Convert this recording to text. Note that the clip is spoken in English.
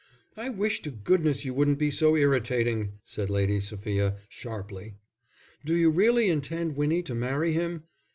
"I wish to goodness you wouldn't be so irritating," said Lady Sophia, sharply. "Do you really intend Winnie to marry him?"